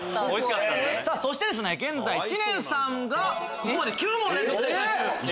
そして現在知念さんが９問連続正解中。